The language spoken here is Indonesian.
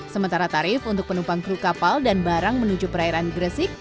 sementara tarif untuk penumpang kru kapal dan barang menuju perairan gresik